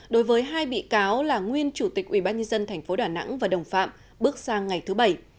đối với hai bị cáo là nguyên chủ tịch ubnd tp đà nẵng và đồng phạm bước sang ngày thứ bảy